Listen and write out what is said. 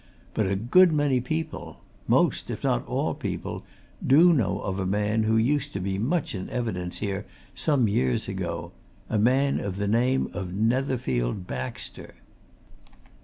But a good many people most, if not all people do know of a man who used to be in much evidence here some years ago; a man of the name of Netherfield Baxter."